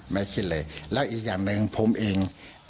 ไม่คิดเลยแล้วอีกอย่างหนึ่งผมเอง